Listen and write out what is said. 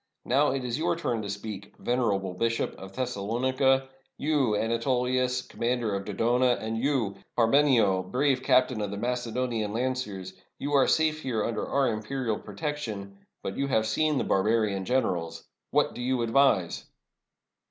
Now it is your turn to speak, venerable Bishop of Thes salonica; you, Anatolius, commander of Dodona; and you, Parmenio, brave captain of the Macedonian lanc ers. You are safe here under our imperial protection, but you have seen the barbarian generals. What do you advise?"